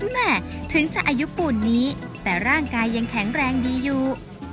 แม่ถึงจะอายุปูนนี้แต่ร่างกายยังแข็งแรงดีอยู่